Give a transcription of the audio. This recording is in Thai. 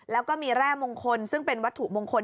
แล้วก็มีแร่มงคลซึ่งเป็นวัตถุมงคล